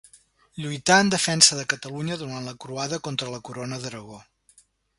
Lluità en la defensa de Catalunya durant la Croada contra la Corona d'Aragó.